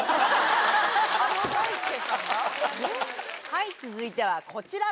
はい続いてはこちら！